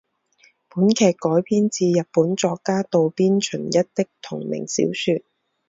本剧改编自日本作家渡边淳一的同名小说。